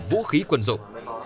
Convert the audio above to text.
vũ khí quần rộng